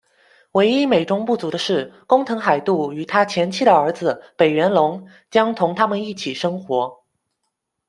唯一美中不足的是，工藤海渡与他前妻的儿子北原龙将同他们一起生活。